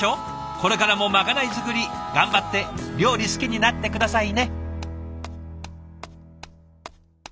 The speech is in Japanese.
これからもまかない作り頑張って料理好きになって下さいね。